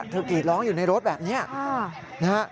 กรีดร้องอยู่ในรถแบบนี้นะฮะ